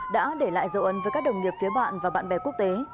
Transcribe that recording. đã để lại dấu ấn với các đồng nghiệp phía bạn và bạn bè quốc tế